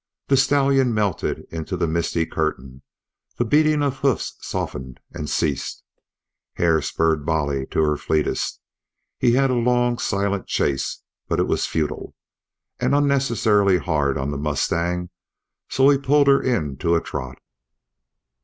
The stallion melted into the misty curtain, the beating of hoofs softened and ceased. Hare spurred Bolly to her fleetest. He had a long, silent chase, but it was futile, and unnecessarily hard on the mustang; so he pulled her in to a trot.